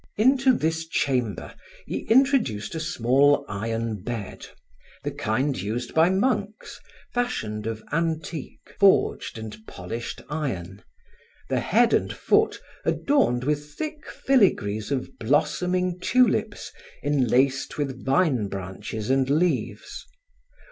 Into this chamber he introduced a small iron bed, the kind used by monks, fashioned of antique, forged and polished iron, the head and foot adorned with thick filigrees of blossoming tulips enlaced with vine branches and leaves.